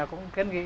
cũng kiến nghị